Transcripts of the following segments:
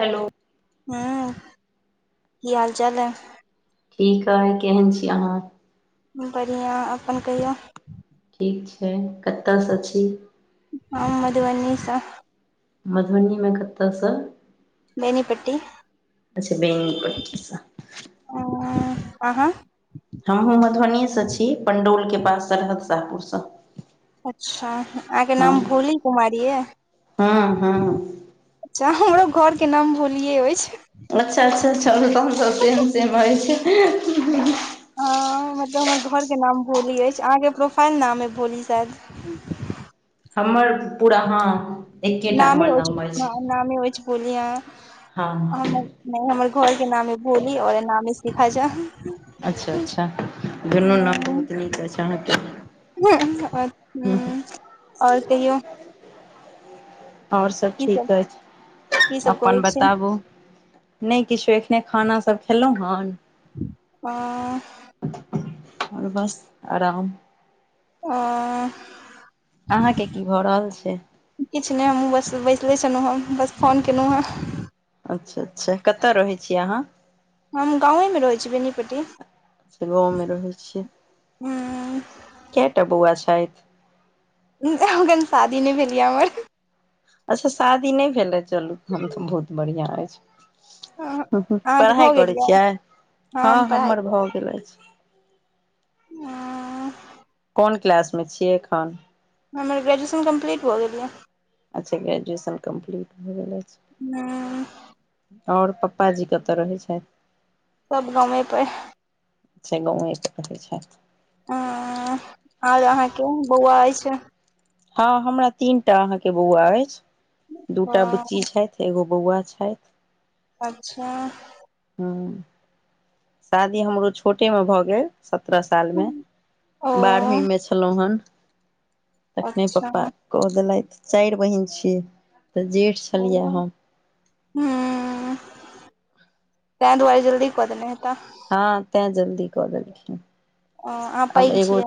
Hello. हूँ, की हाल चाल है। ठीक है, केहन छै अहाँ? बढ़िया, अपन कहियौ? ठीक छै, कतयसँ छै? हम मधुबनीसँ मधुबनीमे कतयसँ? बेनीपट्टी अच्छा बेनीपट्टीसँ आ अहाँ? हमहुँ मधुबनीयेसँ छै पण्डौलके पास सतल साहपुरसँ अच्छा, अहाँक नाम भोली कुमारी यऽ। हँ हँ अच्छा, हमरो घरके नाम भोलिये छै अच्छा, अच्छा, अच्छा, तहन त सेम सेम छै। हँ, मतलब हमर घरक नाम भोली अछि, आ आइ अहाँक प्रोफाइल नाम अछि भोली, शायद। हमर, पूरा हाँ एकेटा नामे हमर नाम अछि। हँ नामे अइछ भेलिया हँ आ हँ हम नहि हमर घरके नाम अइ भोली और एनामे शिखा झा। अच्छा, अच्छा, दुनू नाम बहुत निक अछि, अहाँके हूँ आर कहियो और सभ की सब ठीक अछि की सब करै अपन छी बताबू? नहि किछो एखने खाना सभ खेलहुँ हन। आ और बस आराम आ अहाँकेँ की भऽ रहल छै किछु नहि हमहूँ बस बैसले छलहुँ हं बस फोन केलहुँ हं अच्छा अच्छा कतऽ रहै छियै अहाँ हम गाँव मे रहै छी बेनीपट्टी अच्छा गाँवमे रहै हं केयटा बौआ छथि अखन शादी नहि भेलि यै हमर अच्छा शादी नहि भेलै चलू हम तऽ बहुत बढ़िआँ अछि अहाँके भऽ पढ़ाई गेल करै यए छियै हँ हम पढ़ाइ हमर भऽ गेल अछि हं कोन क्लासमे छियै एखन हमर ग्रेजुएशन कम्प्लीट भऽ गेलि यै अच्छा ग्रेजुएशन कम्प्लीट भऽ गेल अछि हँ और पप्पाजी कतय रहैत छथि सब गामेपे अच्छा गांवे पे रहै छै आ आर अहाँके बौआ अछि हँ हमरा तीन टा अहाँके बौआ अछि दूटा हँ, बुच्ची छथि एगो बौआ छथि अचछा हँ शादी हमरो छोटे मे भऽ गेल सत्रह साल मे ओ बारहवीं मे छै सलोहन तखने अच्छा पप्पा कऽ देलथि चारि बहिन छियै तऽ जेठ छलियै हू हम ह तैहि दुआरे जल्दी क दैने हे तऽ हँ तें जल्दी कऽ देलखिन अहाँ पैघ अब एगो छियै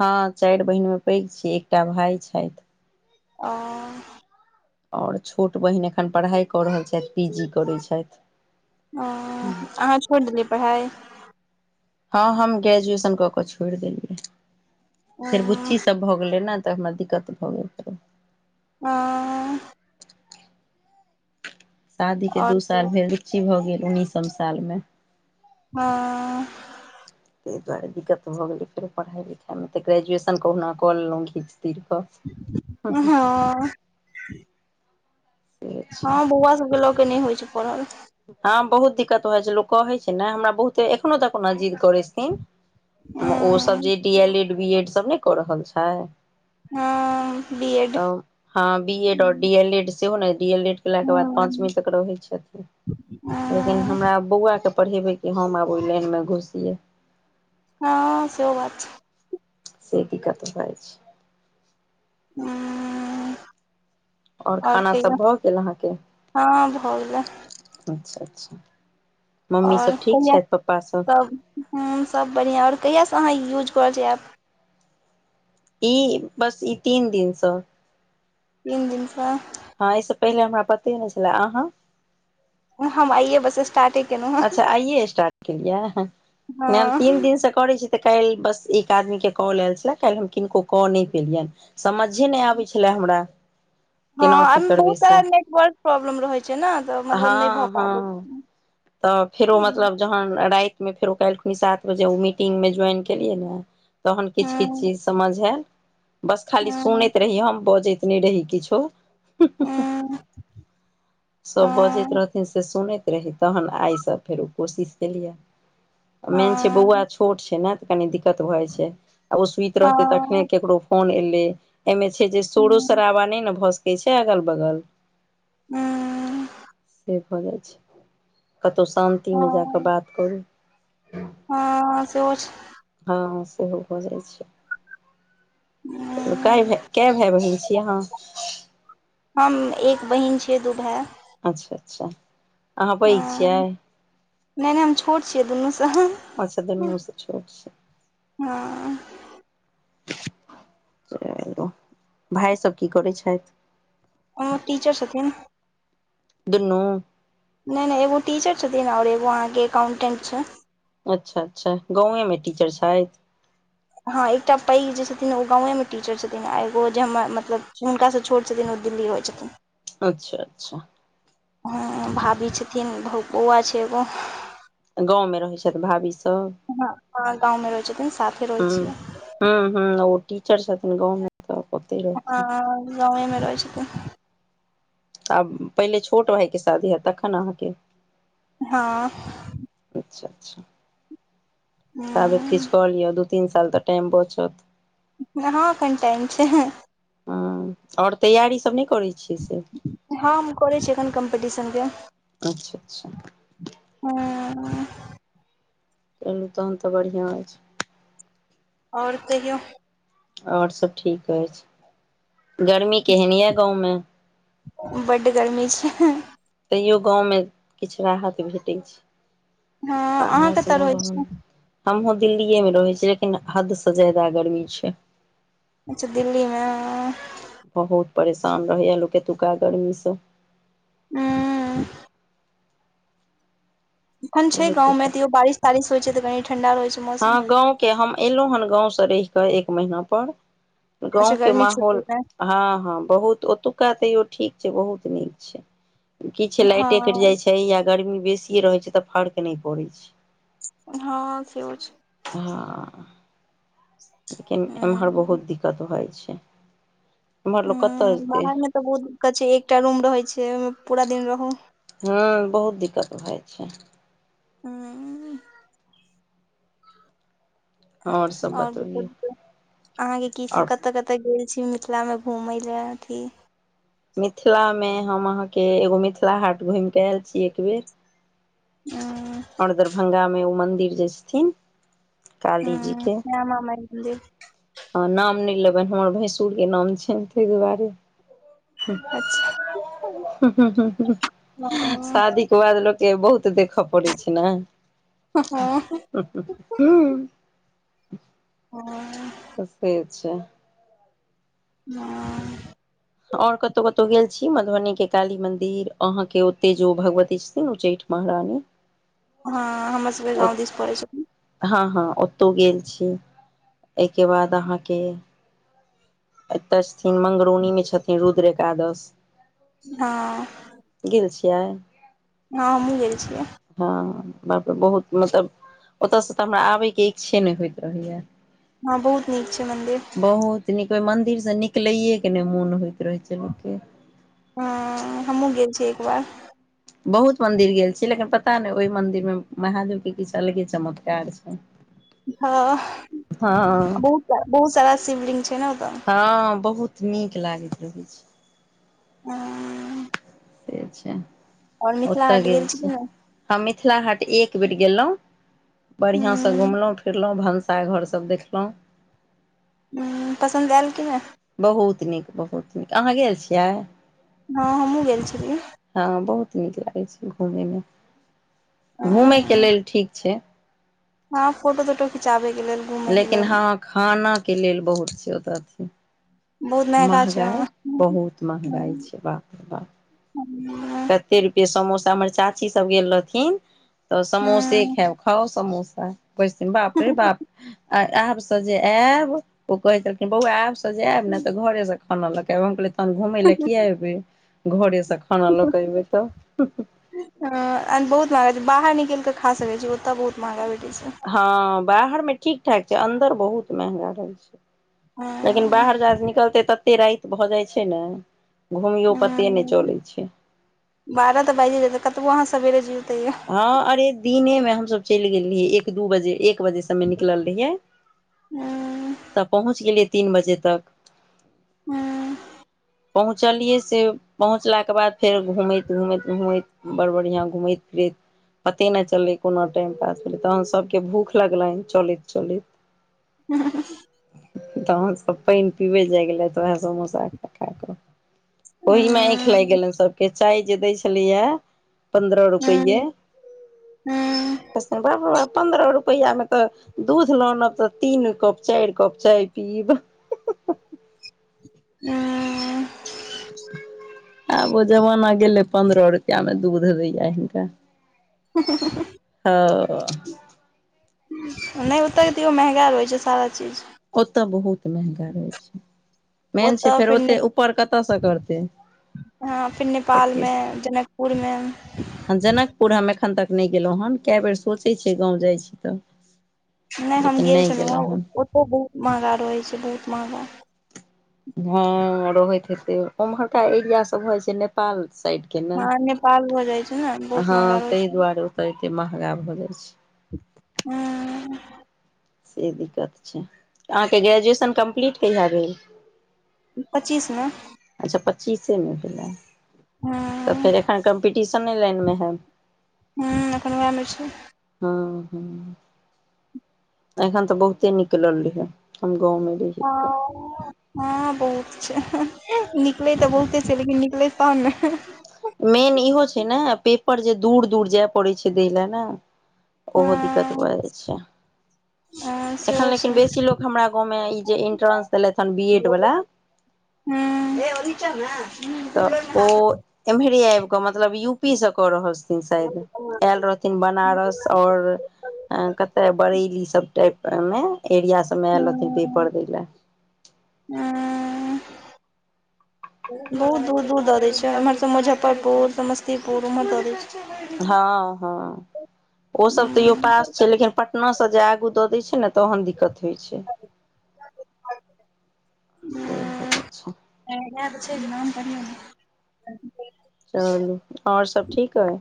हँ चारि बहिनमे पैघ छियै एकटा भाय छथि आ और छोट बहिन एखन पढ़ाई कऽ रहल छथि पी जी करैत छथि ओ अहाँ छोड़ि देलियै पढ़ाई हँ हम ग्रेजुएशन कऽ कऽ छोड़ देलियै फेर हँ ची सब भऽ गेलै ने तऽ हमरा दिक्कत भऽ गेल रहै आ शादी के दू साल आओर भेल बुच्ची भऽ गेल उन्नैसम सालमे हँ ताहि दुआरे दिक्कत भऽ गेलै फेर पढ़ाइ लिखाइमे तऽ ग्रेजुएशन कहुना कऽ लेलहुँ घीच तिर कऽ हँ से हँ छै बौआ सबके लग कऽ नहि होइ छै पढ़हल हँ बहुत दिक्कत होइ छै लोक कहै छै ने हमरा बहुत एखनो तक नै जिद करैत छथिन ओसभ हँ जे D L Ed B Ed सभ ने कऽ रहल छै हँ बी एड तऽ हँ बी एड और डी एल एड सेहो ने डी एल एड केला के बाद पाँचवीं तक रहैत छथिन लेकिन हँ हमरा बौआ के पढ़ेबे क हम आब ओहि लाइन मे घुसिये हँ सेहो बात छै से दिक्कत भऽ छै हुं आओर खाना सब भऽ गेल अहाँके हँ भऽ गेलै अच्छा अच्छा मम्मी सब ठीक छथि पप्पा सब हँ सभ बढ़िआँ आओर कहियासँ अहाँ यूज कऽ रहल छियै ऐप ई बस ई तीन दिनसँ तीन दिनसँ हँ एहि से पहिले हमरा पते नहि छले अहाँ हम आइयए बस स्टार्टिंटे अच्छा आइये स्टार्ट केलियै ने हम हँ तीन दिन से करै छि तऽ काल्हि बस एक आदमी के कॉल आयल छले काल्हि हम किनको कऽ नहि केलियन समझे नहि आबै छलै हमरा हँ केना की आमे करबै बहुत तारा से नेटवर्क प्रॉब्लम रहै छै ने तऽ मतलब नहि हँ भऽ पाबै हँ छै तऽ फेरो मतलब जहन रातिमे फेरो कालखुिन सात बजे ओ मीटिंग मे ज्वाइन केलियै नै तहन किछ किछ हँ चीज समझ आयल बस खाली हँ हँ सुनैत रहि हम बजैत नि रहे ही किछो अं सभ बजैत रहथिन से सुनैत रही तखन आइसँ फेर ओ कोशिश केलियै मेन छै बौआ छोट छै ने तऽ कनि दिक्कत भऽ जाइ छै आ ओ सुति रहतै तखने हँ कैकरो कोन एले एहिमे छै जे सोरो शराबा नहि ने भए सकै छै अगल बगल हूँ से भऽ जाइ छै कतहु शान्तिमे जाकऽ हँ बात करू हँ सेहो छै हँ सेहो भऽ जायत छै चू कए हँ, भाय कए भाय बहिन छी अहाँ हम एक बहिन छियै दू भाए अच्छा अच्छा अहाँ पैघ छियै हँ, नहि हम छोट छियै दुनूस अच्छा दुनुसे छोट छियै हँ चलू भाय सब की करै छथि ओ टीचर छथिन दुनू नहि नहि एगो टीचर छथिन और एगो अहाँके अकाउंटेंट छै अच्छा अच्छा गाँवेमे टीचर छैथ हँ एकटा पैघ जे छथिन ओ गाँवेमे टीचर छथिन आ एगो जे हमर मतलब हुनकासँ छोट छथिन ओ दिल्ली होइ छथिन ह [inaudible] अच्छा अच्छा ह भाभी छथिन भउ बौआ छै एगो गाँवमे रहैत छथि भाभीसभ हँ गाँवमे रहै छथिन साथे रहै छियै ह ह ओ टीचर छथिन गवर्नमेन्ट हँ गामे रहै छै त आब पहिले छोट भायके शादी हयत तखन अहाँके हँ अच्छा अच्छा ताबत किछ हूँ कऽ लियौ दू तीन साल तऽ टाईम बचत हँ कनिटाइम छै ह आओर तैयारीसभ नहि करैत छियै से हँ हम करै अखन कम्पिटिशन के अच्छा अच्छा ह [unintelligible] कलहुँ तहन तऽ बढ़िआँ अछि ओर कहियौ ओर सब ठीक अछि गर्मी केहन यए गाँव मे बड्ड गर्मी छै तैयो गाँवमे किछ राहत भेटैत छै हँ अहाँ आहान कतऽ सुनाऊ रहै तहन छी हमहुँ दिल्लीए मे रहै छी लेकिन हद स ज्यादा गर्मी छै अच्छा दिल्लीमे बहुत परेशान रहैया लोक एतुका गर्मी से ह [unintelligible] एखन छै बहुत गाँवमे दिक्कत तयो बारिश तारिश होय छै ते कनी ठंडा रहय छै मौसम हँ गाँव के हम एलहुँ हेन गाँव से रहि कऽ एक महीना पर अच्छा गाँवके गर्मी छुट्टी माहौल मे हँ हँ बहुत ओतुका तैयो ठीक छै बहुत नीक छै किछ लाइटे कटि हँ जाय छै या गर्मी बेसीे रहे छै तऽ फर्क नहि पड़ै छै हँ सेहो छै हँ लेकिन हूँ एम्हर बहुत दिक्कत भऽ जाइ छै एम्हर लोक कतऽ ह जेतै बाहर मे तऽ बहुत दिक्कत छै एकटा रूम रहैत छै ओहिमे पूरा दिन रहू हां बहुत दिक्कत भ जाय छै ह्म आओर सब ओर बतबियौ कहियो अहाँके की आओर कत कत तऽ गेल छी मिथिला मे घूमय ले कि मिथिला मे हम अहाँ के एगो मिथिला हाट घूम के आयल छी एक बेेर आ और दरभंगा मे ओ मंदिर जे छथिन काली जी ह श्यामा माई मन्दिर ह नाम नहि लेबय हमर भैंसुर के नाम छैन तई दुआरे अच्छा हँ शादी ओके बाद लोक के बहुत देखऽ पड़ै छै ने हँ [unintelligible] हूँ ह तऽ से छै आ [unintelligible] आओर कतहु कतहु गेल छी मधुबनीके काली मन्दिर अहाँके ओतेक जे ओ भगवती छथि उच्चैठ महरानी हँ हमर सबके गाँव दिस पड़ै छै हँ हँ ओतौ गेल छी एहिके बाद अहाँके एतय छथिन मंगरौनी मे छथिन रुद्र एकादश हँ गेल छियै हँ हमहुँ गेल छियै हँ बापर बहुत मतलब ओतयसँ तऽ हमरा आबैके इच्छे नहि होइत रहैया हँ बहुत नीक छै मन्दिर बहुत नीक ओहि मन्दिरसँ निकलैेके नहि मोन होइत रहै छै लोकके ह हमहुँ गेल छीयै एक बार बहुत मंन्दिर गेल छी लेकिन पता नहि ओहि मंन्दिरमे महादेव के किछ अलगे चमत्कार छै ह हँ बहुत ज्या बहुत ज्यादा शिवलिंग छै ने ओतऽ हँ बहुत नीक लागैत रहैत छै [unintelligible] से छै आओर मिथिला ओतय हाट गेल कि छी हम मिथिला हाट एक बेर गेलो बढ़िया से नहि घुमलो फिरलो भनस साय घर सब देखलहुँ पसन्द आयल कि नहि बहुत नीक बहुत नीक अहाँ गेल छियै हँ हमहुँ गेल छलिय हँ बहुत नीक लागै छै घूमेमे घूमे के लेल ठीक छै हँ फोटो तोटो खिचाबेके लेल घूमे के लेकिन लेल हँ खाना के लेल बहुत छै औते बहुत महंगा छै महगाइ वहाँ बहुत महगाई छै बाप रे बाप ह कते रुपे समोसा हमर चाची सब गेल रहथिन तऽ समोसे खाउ खाओ समोसा बथिन बाप रे बाप आ आब से जे आयब ओ कहे छलखिन बौआ आब से जे आयब ने तऽ घरे से खाना लगब हम कहल हम घूमय लए किया एबै घरे से खाना लऽ के एबै तऽ बहुत महंगा बाहर निकल के खा सकैत छी ओतय बहुत महंगा भेटै छै हँ बाहर में ठीक ठाक छै अन्दर बहुत महंगा रहै छै हँ लेकिन बाहर जायसँ निकलतै ततेक रात भऽ जाइ छै ने घुमियो पते नहि हँ चलै छै बारह तऽ बाजिए जेतै कतबो अहाँ सेबेरे जेबतैयै हँ अरे दिने में हमसब चलि गेल रहियै एक दू बजे एक बजे से मे निकलल रहियै हूं त पहुंच गेलियै तीन बजे तक हँ पहुँचलियै से पहुँचलाके बाद फेर घूमैत घूमैत घूमैत बड़ बढ़िआँ घूमैत बेत पते नहि चललै कोना टाइम पास भेलै तहन सभके भूख लगलनि चलैत चलैत हं हं हं हं तहन सभ पानि पीबै जाइ गेलै तऽ उएह समोसा खा खा कऽ ओहि मे आँखि लागि गेलनि सबके चाय जे दै छलैया पन्द्रह पैये नहि त सब बाप रे बाप पन्द्रह रुपैया मे तऽ दूध ल अनब तऽ तीन कप चारि कप चाय पीब [inaudible] आब ओ जमाना गेलै पन्द्रह रुपआ मे दूध दैया हिनका हत ह छै ओ नहि ओतऽ तियओ महंगा रहै छै सारा चीज ओतऽ बहुत महंगा रहय छै मेन छै फेर ओते ऊपर कतयसँ करतै तऽ किछ पूर में हं जनकपुर हम एखन तक नहि गेलहुँ हन कए बेर सोचैत छियै गाँव जाइत छी तऽ नहि हम लेकिन गेल नहि छलहुँ हँ गेलहुँ हन ओतहु बहुत महंगा रहैत छै बहुत महंगा हँ रहैत हेते ओमहरका एरिया सब भ जाइ छै नेपाल साइड के ना हँ नेपाल भऽ जाइ छै ने बहुत हँ महगा रहै ताहि छै दुआरे ओतऽ एते महंगा भऽ जाइ छै हं से दिक्कत छै अहाँके ग्रेजुएशन कम्प्लीट कहिया भेल पच्चीस मे अच्छा पच्चीसेमे भेलै हँ तऽ फेर एखन कम्पिटिशने लाइन मे हैब हं एखन वैह मे छी [inaudible] एखन तऽ बहुते निकलल रहे हम गाँव में रहियै तऽ हँ हँ बहुत छै निकलैत तऽ बहुते छै लेकिन निकलै तहन ने मेन इहो छै ने पेपर जे दूर दूर जाए पड़ैत छै दै ल ने ओहो दिक्कत हँ भ जाइ छै हँ एखन सेहो लेकिन बेसी लोक हमरा गाँवमें ई जे इंट्रास दलैथ ह बी एड छै वाला [inaudible] [unintelligible] तऽ ओ हाथ एम्हरे ऐब कऽ मतलब यू पी से कऽ रहल छथिन शायद आयल रहथिन बनारस और आ कत्ते बरेली सब टाइप मे एरिया सब मे आयल रहथिन पेपर दै ले [inaudible] बहुत दूर दूर द दैत छै ऐम्हर स मुजफ्फरपुर समस्तीपुर ओम्हर द दैत छै हँ हँ ओ सब तैयो पास छै लेकिन पटना से जे आगू दऽ दैय छै न तहन दिक्कत होइ छै [unintelligible] से भ जाए छै [inaudible] चलू और सब ठीक अइ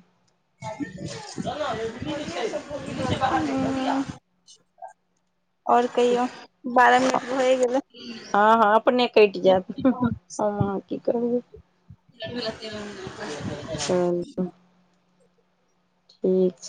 [inaudible] और कहियो बारह मिनट भए गेलै हँ हँ अपने कटि जायत हम अहाँ की करबै चलू [inaudible] ठीक छै